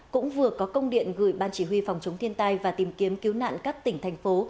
cũng vừa có công điện gửi ban chỉ huy phòng chống thiên tai và tìm kiếm cứu nạn các tỉnh thành phố